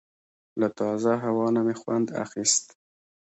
له تازه هوا نه مې خوند اخیست.